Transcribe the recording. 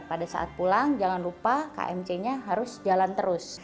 pada saat pulang jangan lupa kmc nya harus jalan terus